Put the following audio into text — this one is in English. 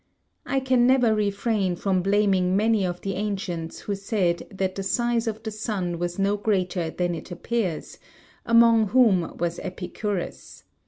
I can never refrain from blaming many of the ancients who said that the size of the sun was no greater than it appears; among whom was Epicurus.